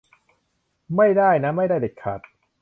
ไม่ได้นะ ไม่ได้เด็ดขาด